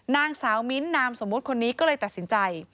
นางสาวมิ้นท์นามสมมุติคนนี้ก็เลยตัดสินใจ